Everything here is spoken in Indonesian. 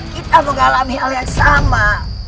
kita mengalami hal yang sama